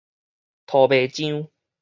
塗糜漿